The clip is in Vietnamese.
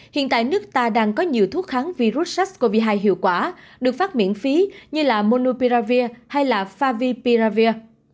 hiện tại nước ta đang có nhiều thuốc kháng virus sars cov hai hiệu quả được phát miễn phí như là monopiravir hay là favipiravir